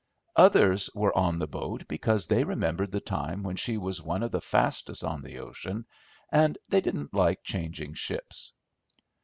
Others were on the boat because they remembered the time when she was one of the fastest on the ocean, and they didn't like changing ships.